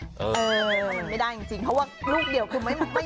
เออไม่ได้จริงเพราะว่าลูกเดี่ยวคุณไม่มี